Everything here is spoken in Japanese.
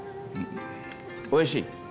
おいしい。